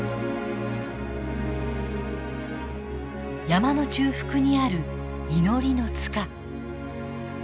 山の中腹にある祈りの塚。